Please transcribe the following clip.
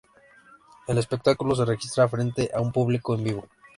El espectáculo se registra frente a un público en vivo.